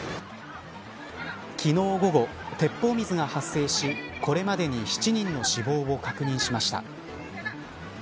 昨日午後、鉄砲水が発生しこれまでに７人の死亡を確認しました。